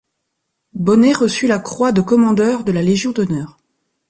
Bonnet reçut la croix de commandeur de la légion d'honneur.